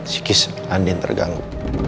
si kis andin terganggu